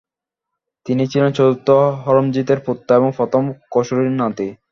তিনি ছিলেন চতুর্থ হরমজিদ-এর পুত্র এবং প্রথম খসরুর নাতি।